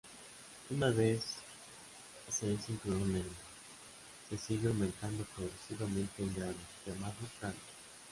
Una vez se es cinturón negro, se sigue aumentando progresivamente en grados, llamados "danes".